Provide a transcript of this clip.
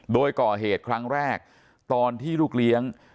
โดยก่อเหตุครั้งแรกตอนที่ลูกเลี้ยง